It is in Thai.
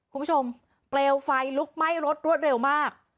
คุณผู้ชมเกลวไฟลุกไหม้รถรวดเร็วมาก